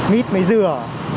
mít mấy dừa